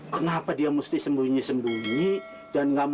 kenapa dia mesti sembunyi sembunyi dan nggak mau